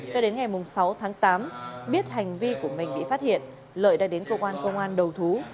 cho đến ngày sáu tháng tám biết hành vi của mình bị phát hiện lợi đã đến cơ quan công an đầu thú